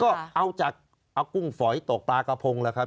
ก็เอาจากเอากุ้งฝอยตกปลากระพงแล้วครับ